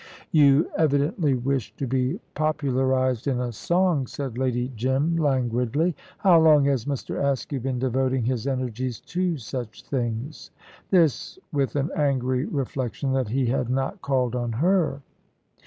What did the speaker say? "You evidently wish to be popularised in a song," said Lady Jim, languidly. "How long has Mr. Askew been devoting his energies to such things?" This with an angry reflection that he had not called on her.